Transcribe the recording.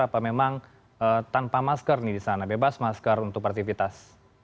apa memang tanpa masker nih di sana bebas masker untuk partivitas